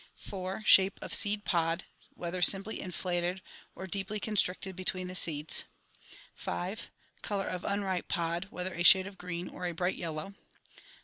" 4. Shape of seed pod, whether simply inflated; or deeply con stricted between the seeds. " 5. Color of unripe pod, whether a shade of green; or a bright yellow.